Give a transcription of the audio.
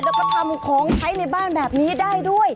แล้วก็ทำของใช้ในบ้านแบบนี้ได้ด้วย